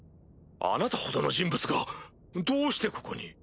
あなたほどの人物がどうしてここに？